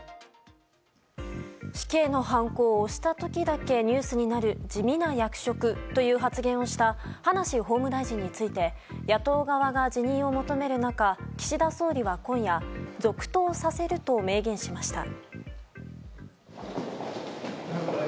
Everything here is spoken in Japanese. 死刑のはんこを押した時だけニュースになる地味な役職という発言をした葉梨法務大臣について野党側が辞任を求める中岸田総理は今夜続投させると明言しました。